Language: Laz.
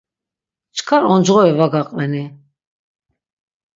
Çkar oncğore va gaqveni?